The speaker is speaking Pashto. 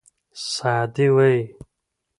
سعدي وایي.